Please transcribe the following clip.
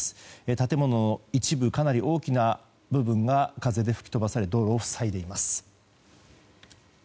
建物の一部かなり大きな部分が風で吹き飛ばされ道路を塞いでいます。